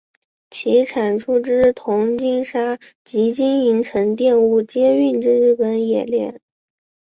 其产出之铜精砂及金银沉淀物皆运至日本冶炼。